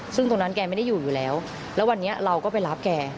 ซึ่งตรงนั้นแกไม่ได้อยู่อยู่แล้วแล้ววันนี้เราก็ไปรับแก